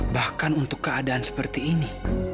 bahkan untuk keadaan seperti ini